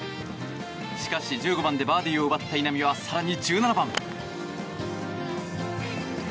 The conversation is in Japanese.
しかし、１５番でバーディーを奪った稲見は更に１７番。